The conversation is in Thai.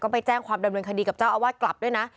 ไปแจ้งความดำเนินคดีกับเจ้าอาวาสกลับด้วยนะ